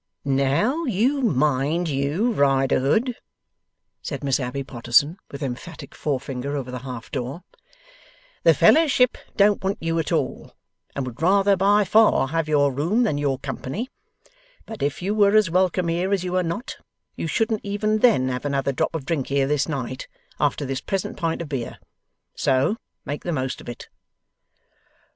'Now, you mind, you Riderhood,' said Miss Abbey Potterson, with emphatic forefinger over the half door, 'the Fellowship don't want you at all, and would rather by far have your room than your company; but if you were as welcome here as you are not, you shouldn't even then have another drop of drink here this night, after this present pint of beer. So make the most of it.